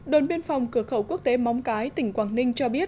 đồn biên phòng cửa khẩu quốc tế móng cái tỉnh quảng ninh cho biết